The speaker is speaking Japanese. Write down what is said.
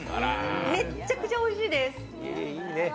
めっちゃくちゃおいしいです！